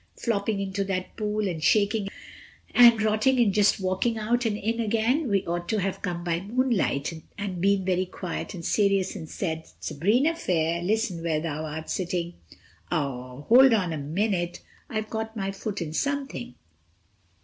Flopping into that pool, and talking and rotting, and just walking out and in again. We ought to have come by moonlight, and been very quiet and serious, and said— "'Sabrina fair, Listen where thou art sitting—'" "Ow—Hold on a minute. I've caught my foot in something."